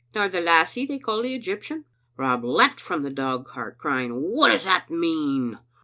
" Nor the lassie they call the Egyptian?" Rob leaped from the dogcart, crying, "What does that mean?"